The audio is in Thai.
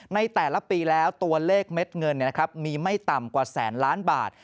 ในแต่ละปีแล้วตัวเลขเม็ดเงินมีไม่ต่ำกว่าแสนล้านบาท